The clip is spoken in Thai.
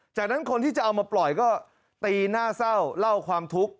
จากนั้นคนที่จะเอามาปล่อยก็ตีหน้าเศร้าเล่าความทุกข์